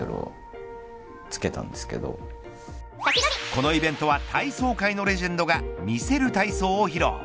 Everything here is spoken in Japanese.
このイベントは体操界のレジェンドが魅せる体操を披露。